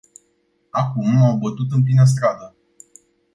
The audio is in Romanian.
Acum m-au bătut în plină stradă.